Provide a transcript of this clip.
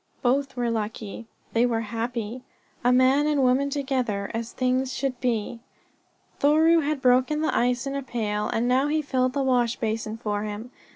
Both were lucky. They were happy a man and woman together, as things should be. Thoreau had broken the ice in a pail and now he filled the wash basin for him.